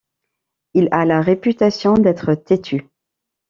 Il a la réputation d'être têtu.